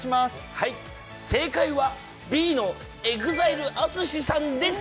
はい正解はＢのＥＸＩＬＥＡＴＳＵＳＨＩさんです